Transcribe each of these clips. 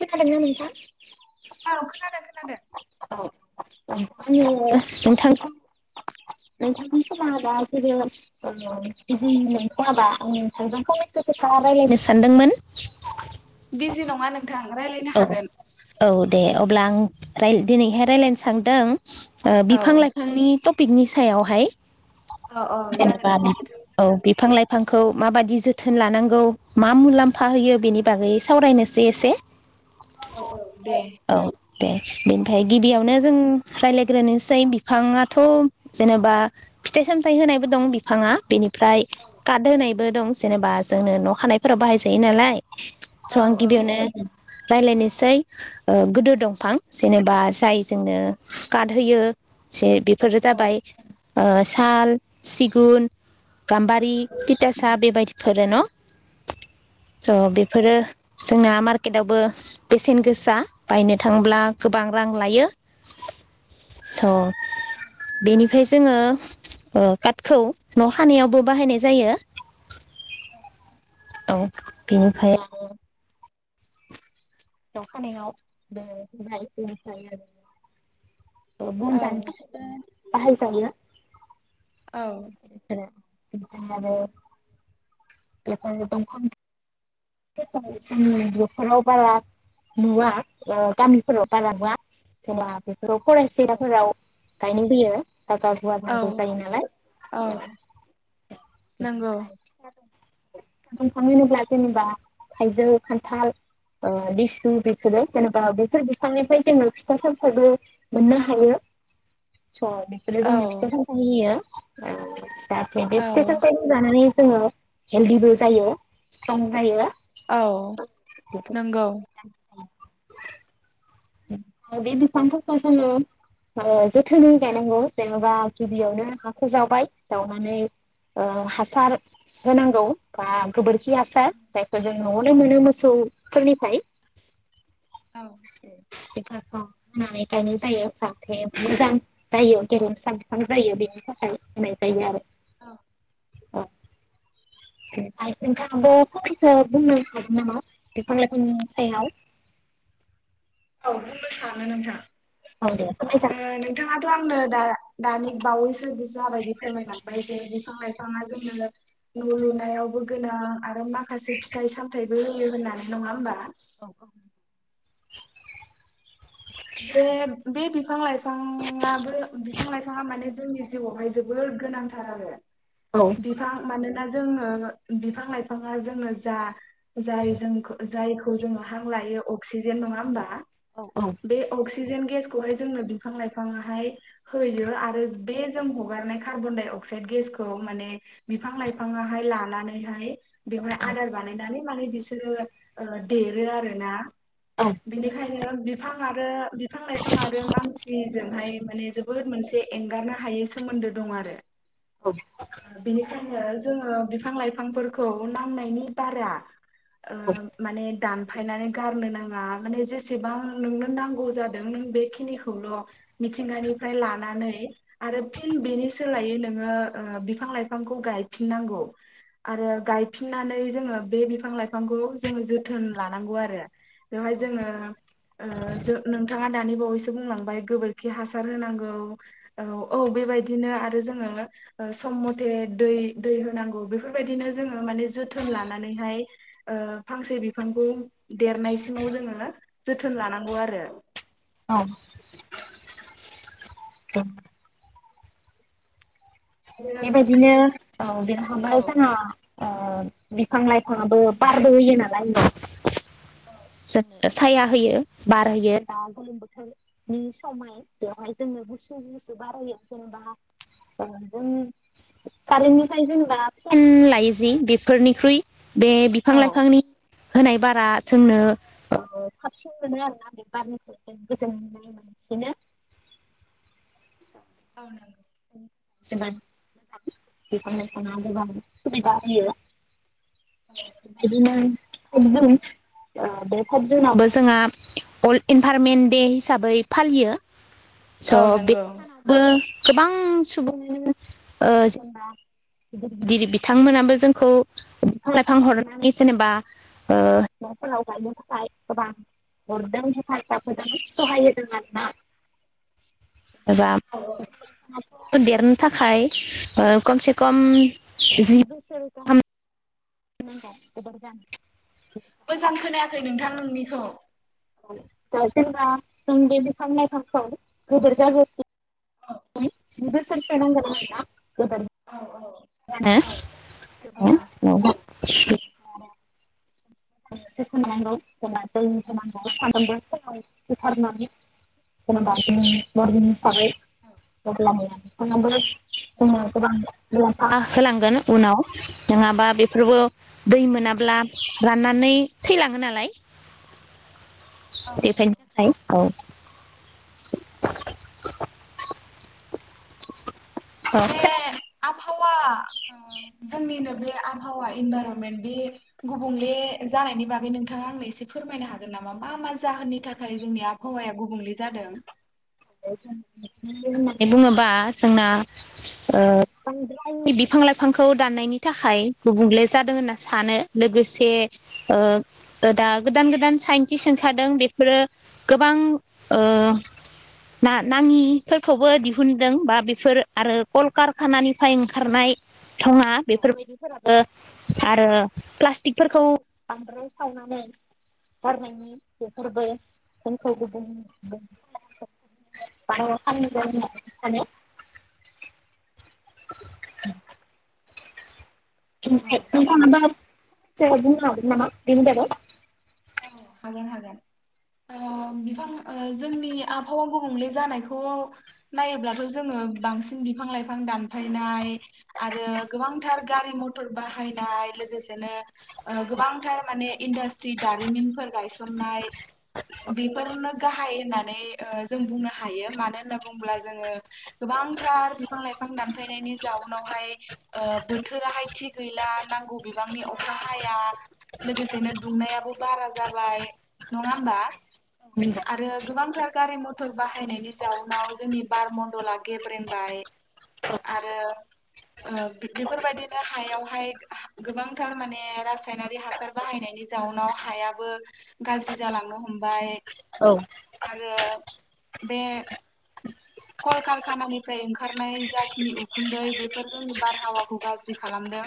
खोनादोंना नोंथां औ खोनादों खोनादों औ आङो नोंथां नोंथांनि समावाबा जेरबो नंथ'आबा आं नोंथांजों फंनैसो खोथा राय्लायनो सानदोंमोन बिजि नङा नों नोंथां रायज्लायनो औ हागोन। औ दे अब्ला आं दिनैहाय रायज्लायनो सानदों ओ औ बिफां लाइफांनि टपिकनि सायावहाय औ जागोन जेनेबा दे बिदिनो औ मोजां बिफां लाइफां खौ माबादि जोथोन लानांगौ मा मुलाम्फा होयो बेनि बागै सावरायनोसै एसे। औ औ दे। औ दे बिनिफ्राय गिबियावनो जों रायज्लायग्रोनोसै बिफाङाथ' जेनेबा फिथाइ सामथाइ होनायबो दं बिफाङा बेनिफ्राय काड होनाय बो दं जेनेबा जोंनो न' खानायफोराव बाहायजायो नालाय स' औ आं औ गिबियावनो रायजलायनोसै गोदो दंफां जेनेबा जाय जोंनो काड होयो जे बे फोर जाबाय ओ साल सिगुन गाम्बारि थिथासाब बेबायदि फोरो न' स' बेफोरो जोंना मार केटावबो बेसेन गोसा बायनो थाङोब्ला गोबां रां लायो स' बेनि मफ्राय जोङो ओ काटखौ न' खानायावबो बाहायनाय जायो औ औ बेनिफ्राय दावखानायाव बेफ्राय बेनिफ्राय आरो अ बन जानो थाखायबो बाहाय जायो औ [unintelligible] ओमफ्राय आरो बेफोर दंफा जोंनि न'खराव बारा नुवा ओ गामिफोराव बारा नुवा जेबा बे [unintelligible] औ फोराव गायनाय जायो। जागा गुवार नांगौ जायो नालाय। औ नंगौ दंफां होनोब्ला जेनेबा थाइजौ, खान्थाल, ओ लेसु बेफोरो जेनेबा बेफोर बिफांनिफ्राय जोङो फिथा सामथाइबो मोननो हायो। स' बेफोरो औ जोंनो फिथाय सामथाय होयो। [inaudible] गासैबो औ फिथाइ सामथाइखौ जानानै जोङो हेलदिबो जायो स्ट्रं जायो। औ बेफोर नंगौ। बे बिफांफोरखौ जोङो ओ जोथोनै गायनांगौ जेनेबा गिबियावनो हाखौ जावबाय जावनानै ओ हासार होनांगौ बा गोबोर खि हासार बेखौ जों न'आवनो मोनो मोसौफोरनिफाय। [inaudible] औ बेफोरखौ होनानै गायनाय जायो जाथे मोजां जायो गेरेमसा बिफां जायो बेनि थाखाय होनाय जायो आरो। औ औ बेनिफाय नोंथाङाबो फंनैसो बुंनो हागोन नामा बिफां लाइफांनि सायाव? औ बुंनो सानो नोंथां। औ दे फोरमायजागोन ओ नोंथाङाथ' आंनो दा दानि बावैसो बि जाबादि फोरमायलांबाय बे बिफां लाइफाङा जोंनो न' लुनायावबो गोना आरो माखासे फिथाइ सामथाइबो होयो होननानै नङा होमबा? औ औ। बे-बे बिफां लाइफाङाबो बिफां लाइफाङा माने जोंनि जिउआवहाय जोबोर गोनांथार आरो। औ बिफां मानो दा जोङो बिफां लाइफाङा जोंनो जा जाय जोंखो जायखौ जोङो हां लायो अक्सिजेन नङा होमबा? औ औ। बे अक्सिजेन गेसखौहाय जोंनो बिफां लाइफाङाहाय होयो आरो बे जों हगारनाय कार्बन डाइ अक्साइद गेसखौ माने बिफां लाइफाङाहाय लानानैहाय बेवहाय आदार बानायनानै माने बिसोरो ओ देरो आरोना। बेनिखायनो बिफां आरो बि बिफां लाइफां आरो मानसि जोंहाय माने जोबोद मोनसे एंगारनो हायै सोमोन्दो दं आरो। ओ बेनिखायनो जोङो बिफां लाइफांफोरखौ नांनायनि बारा ओ माने दान फायनानै गारनो नाङा माने जेसेबां नोंनो नांगौ जादों नों बेखिनिखौल' मिथिंगानिफ्राय लानानै आरो फिन बेनि सोलायै नोङो ओ बिफां लाइफांखौ गायफिन नांगौ। आरो गायफि नानै जोङो बे बिफां लाइफांखौ जोङो जोथोन लानांगौ आरो बेवहाय जोङो जों नोंथाङा दानि बावैसो बुंलांबाय गोबोरखि हासार होनांगौ औ औ बेबायदिनो आरो जोङो सम मथे दै दै होनांगौ बेफोरबायदिनो जोङो माने जोथोन लानानैहाय फांसे बिफांखौ देरनायसिमाव जोङो जोथोन जोथोन लानांगौ आरो। औ [inaudible] बेबायदिनो औ बेनो [unintelligible] जाना ओ बिफां लाइफाङाबो बारबो होयो नालाय आंनाव जों साया होयो बारहोयो दा गोलोम बोथोरनि समहाय बेवहाय जोङो गुसु गुसु बारहयो जेनेबा जों कारेन्टनिफ्राय जेनेबा फेन लायो जि बेफोरनिख्रुइ बे बिफां लाइफांनि होनाय बारा जोंनो साबसिन मोनो आरोना बे बारनिखौ जों गोजोन मोननाय मोनसिनो औ नांगौ [unintelligible] बिदिनो फाइभ जुन बे फाइभ जुनावबो जोंहा अर्ल्ड इनभारमेन्ट दे हिसाबै फालियो स' औ बे नंगौ सानावबो गोबां सुबुङानो जेनेबा गिदिर गिदिर बिथांमोनाबो जोंखौ बिफां लाइफां हरनानै जेनेबा हिाफोराव गायनो थाखाय गोबां हरदों हेफाजाब होदों सहाय होदों आरोना [unintelligible] औ औ हा देरनो थाखाय खमसे खम जि बोसोर गाहाम [unintelligible] मोजां खोनायाखै नोंथां नोंनिखौ दा जेनबा नों बे बिफां लायफांखौ गोदेर जाजासिम औ [unintelligible] औ औ [unintelligible] [inaudible] [unintelligible] [unintelligible] [unintelligible] [unintelligible] मुलाम्फा होलांगोन उनाव नङाबा बेफोरबो दै मोनाब्ला राननानै थैलाङो नालाय औ नंगौ [unintelligible] औ [inaudible] औ बे खोनादों आब हावा ओ जोंनिनो बे आबहावा इनभाइरनमेन्ट बे गुबुंले जानायनि बागै नोंथाङा आंनो एसे फोरमायनो हागोन नामा मा मा जाहोननि थाखाय जोंनि आबहावाया गुबुंले जादों? [unintelligible] होननानै बुङोबा जोंना ओ बांद्राय बिफां लाइफांखौ दाननायनि थाखाय गुबुंले जादों होनना सानो लोगोसे ओ दा गोदान गोदान साइन्टिस्ट ओंखारदों बेफोरो गोबां ओ ना नाङिफोरखौबो दिहुनदों बा बेफोर आरो कलकारखानानिफ्राय ओंखारनाय थङा बेफोरबायदिफोराबो आरो प्लास्टिकफोरखौ बांद्राय सावनानै गारनायनि बेफोरबो जोंखौ [unintelligible] [unintelligible] [unintelligible] [unintelligible] औ [unintelligible] बुंनो हागौ नामा बिनि बागै? औ हागोन हागोन। ओ बिफां ओ जोंनि आबहावा गुबुंले जानायखौ नायोब्लाथ' जोङो बांसिन बिफां लाइफां दानफायनाय आरो गोबांथार गारि मथर बाहायनाय लोगोसेनो ओ गोबांथार माने इन्डास्ट्रि दारिमिनफोर गायसननाय बेफोरनो गाहाय होननानै जों बुंनो हायो। मानो होनना बुङोब्ला जोङो गोबांथार बिफां लाइफां दानफायनायनि जाउनावहाय ओ बोथोराहाय थि गैला नांगौ बिबांनि अखा हाया लोगोसेनो दुंनायाबो बारा जाबाय नङा होमबा? आरो गोबांथार गारि मथर बाहायनायनि जाउनाव जोंनि बार मडला गेब्रेंबाय आरो ओ बेफोरबायदिनो हायावहाय गोबांथार माने रासायनारि हासार बाहायनायनि जाउनाव हायाबो गाज्रि जालांनो हमबाय औ। आरो बे कलकारखानानिफ्राय ओंखारनाय जाखिनि उखुन्दै बेफोर जोंनि बारहावाखौ गाज्रि खालामदों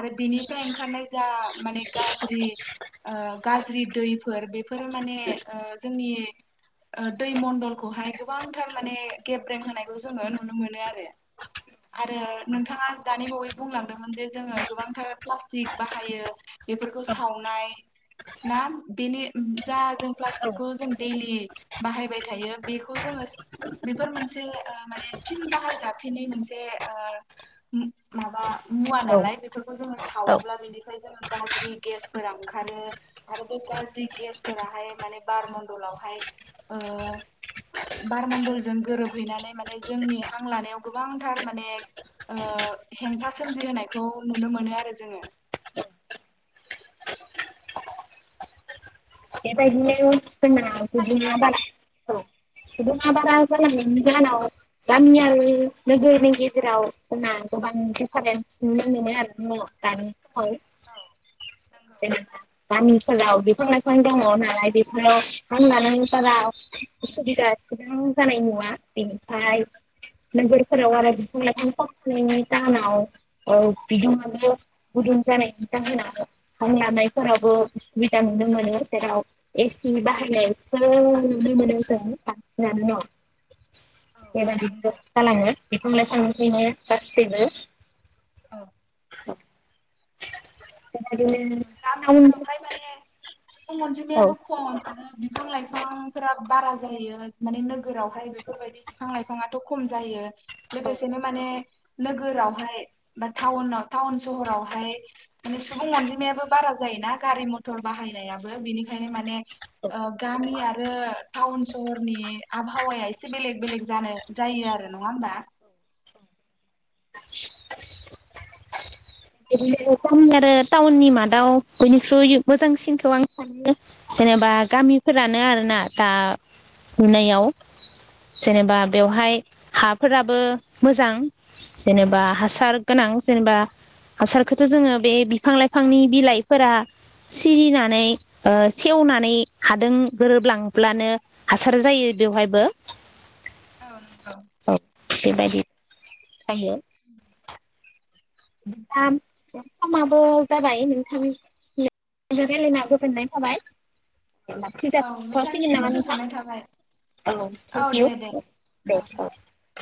आरो बेनिफ्राय ओंखारनाय जा माने गाज्रि ओ गाज्रि दैफोर बेफोरो माने ओ जोंनि ओ दै मणडलखौहाय गोबांथार माने गेब्रें होनायखौ जोङो नुनो मोनो आरो आरो नोंथाङा दानि बावै बुंलांदोंमोन जे जोङो गोबांथार प्लास्टिक बाहायो बेफोरखौ सावनाय ना बेनि जा जों प्लास् टिकखौ जों दैलि बाहायबाय थायो बेखौ जोङो बेफोर मोनसे ओ माने फिन बाहाय जाफि मोनसे ओ माबा मुवा औ नालाय बेफोरखौ जोङो औ सावोब्ला बेनिफ्राय जोङो गाज्रि गेसफोरा ओंखारो आरो बे गाज्रि गेसफोराहाय माने बार मण्डलावहाय ओ बार मण्डलजों गोरोबहैनानै माने जोंनि हां लानायाव गोबांथार माने ओ हेंथा सोमजिहोनायखौ नुनो मोनो आरो जोङो। बेबायदिनो जोंना खोनादोंना बिदुङा नोंथां? बारा [unintelligible] बिदुङा बारा औ जालांनायनि जाउनाव गामियारि नोगोरनि गेजेराव जोंना गोबां दिफारेन्स नुनो मोनो आरो न' दानि औ नंगौ ए। गामिफोराव बिफां लाइफां [unintelligible] जेराव एसि बाहायनायसो नुनो मोनो जों बांसिनानो न'। औ बेबादि नंगौ जालाङो बेखौ [unintelligible] [unintelligible] औ [inaudible] उम टाउन गामिफोरावहाय माने सुबुं औ अनजिमायाबो खम आरो बिफां लाइ फांफोरा बारा जायो माने नोगोरावहाय बेफोरबायदि बिफां लाइफाङाथ' खम जायो। लोगोसेनो माने नोगोरावहाय बा टाउन टाउन सहरावहाय माने सुबुं अनजि मायाबो बारा जायोना गारि मथर बाहायनायाबो बिनिखायनो माने ओ गामि आरो टाउन सहरनि आबहावाया एसे बेलेग बेलेग जानो जायो आरो नङा होमबा? बिदिनो [unintelligible] आरो टाउननि मादाव बयनिख्रुइ मोजांसिनखौ आं सानो जेनोबा गामिफोरानो आरोना दा नुनायाव। जेऩबा औ बेवहाय हाफ फोराबो मोजां जेनोबा हासार गोनां जेनोबा हासारखौथ' जोङो बे बिफां लाइफांनि बिलाइफोरा सिरिनानै सेवनानै हादों गोरोबलांब्लानो हासार जायो बेवहायबो औ नंगौ। औ बेबायदि जायो। नोंथाम नोंथामाबो जाबाय नोंथां रायलायना गोजोननाय थाबाय। औ [unintelligible] [unintelligible] सिगोन नोंथांनिसिमबो नामा नोंथां गोजोननाय थाबाय औ‌ औ थेंक इउ दे दे दे औ अ।